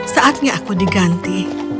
saatnya aku diganti